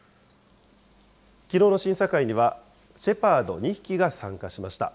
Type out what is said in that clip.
きのうの審査会には、シェパード２匹が参加しました。